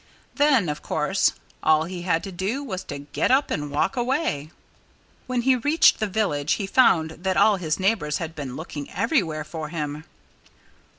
Then, of course, all he had to do was to get up and walk away. When he reached the village he found that all his neighbors had been looking everywhere for him.